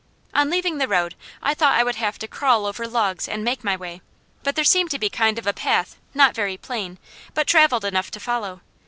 On leaving the road I thought I would have to crawl over logs and make my way; but there seemed to be kind of a path not very plain, but travelled enough to follow.